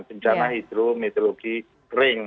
bencana hidrometeorologi kering